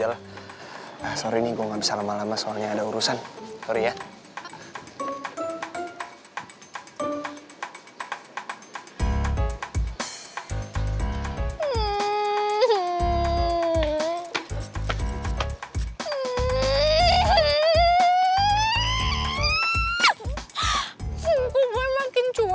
enggak mau kafek